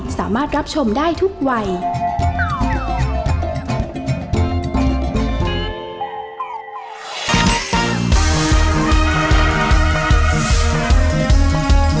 แม่บ้านปัจจันทร์บ้าน